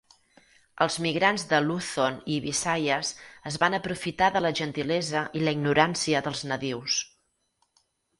Els migrants de Luzon i Visayas es van aprofitar de la gentilesa i la ignorància dels nadius.